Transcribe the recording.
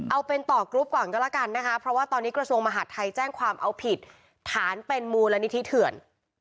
เอาเป็นต่อกรุ๊ปก่อนก็แล้วกันนะคะเพราะว่าตอนนี้กระทรวงมหาดไทยแจ้งความเอาผิดฐานเป็นมูลนิธิเถื่อน